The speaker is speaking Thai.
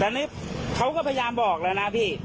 แต่นี่เขาก็พยายามบอกแล้วนะพี่